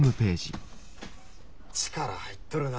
力入っとるな。